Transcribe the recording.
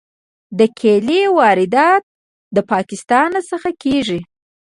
د کیلې واردات له پاکستان څخه کیږي.